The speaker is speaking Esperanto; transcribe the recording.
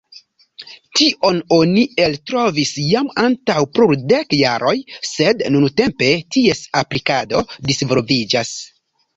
Tion oni eltrovis jam antaŭ plurdek jaroj, sed nuntempe ties aplikado disvolviĝas.